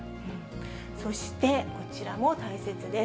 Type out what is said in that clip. そしてこちらも大切です。